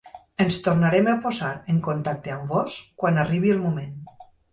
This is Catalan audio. Ens tornarem a posar en contacte amb vós quan arribi el moment.